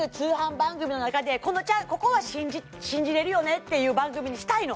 ここは信じれるよねっていう番組にしたいの！